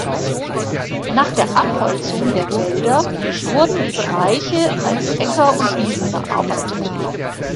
Nach der Abholzung der Wälder wurden die Bereiche als Äcker und Wiesen bearbeitet.